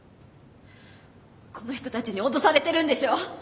この人たちに脅されてるんでしょ？